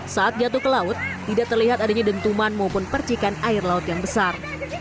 saat jatuh ke laut tidak terlihat adanya dentuman maupun percikan air laut yang besar